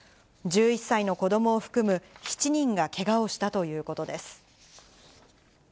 １１歳の子どもを含む７人がけがをしたということです。